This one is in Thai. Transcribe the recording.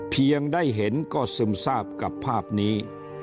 เพียงได้เห็นก็ซึมทราบกับภาพนี้